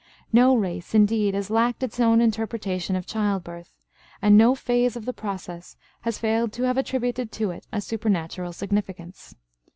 No race, indeed, has lacked its own interpretation of childbirth, and no phase of the process has failed to have attributed to it a supernatural significance.